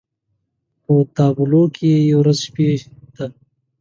په تابلو کې يې ورځ شپې ته